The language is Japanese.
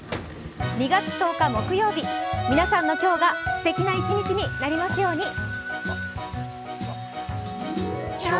２月１０日木曜日、皆さんの今日がすてきな一日になりますように。